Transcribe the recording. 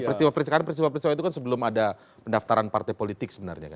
karena peristiwa peristiwa itu kan sebelum ada pendaftaran partai politik sebenarnya kan